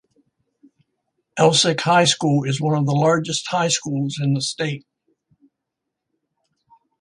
Elsik High School is one of the largest high schools in the state.